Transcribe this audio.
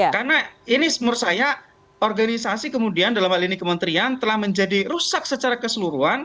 karena ini menurut saya organisasi kemudian dalam hal ini kementerian telah menjadi rusak secara keseluruhan